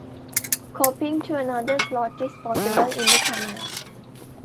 Copying to another slot is possible in the camera.